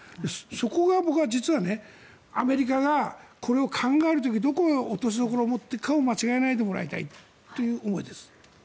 そこが僕は実はアメリカがこれを考える時にどこに落としどころを持っていくか間違えないでもらいたいという思いです。